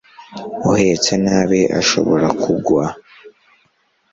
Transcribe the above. Uhetse nabi ashobora kugwa